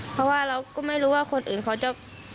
เพราะว่าเราก็ไม่รู้ว่าคนอื่นเขาจะ